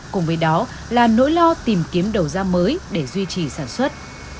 cùng với đó là nỗi lo tìm kiếm đầu ra mới để duy trì sản xuất